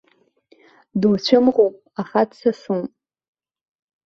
Дуцәымӷуп, аха дсасуп.